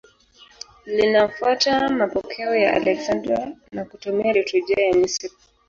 Linafuata mapokeo ya Aleksandria na kutumia liturujia ya Misri.